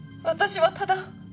私はただ。